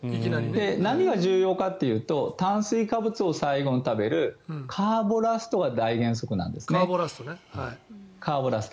何が重要かというと炭水化物を最後に食べるカーボラストが大原則なんですね。